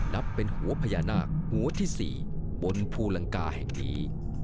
นับเป็นหัวพญานาคหัวที่๔บนภูลังกาแห่งนี้